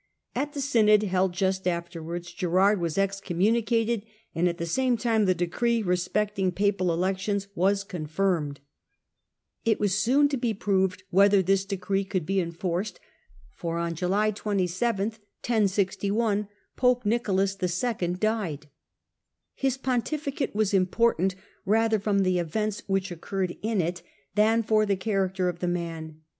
At the synod held just afterwards, Girard was excommunicated, and at the same time the decree respecting papal elections was confirmed. It was soon to be proved whether this decree could be enforced, for on July 27 the pope died. His ponti Death of ficato was ipiportaut rather from the events loS "* which occurred in it than from the character of the man.